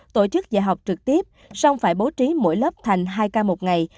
tổ chức dạy học trực tiếp xong phải bố trí mỗi lớp thành hai ca một ngày